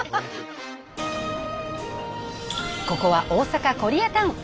ここは大阪コリアタウン。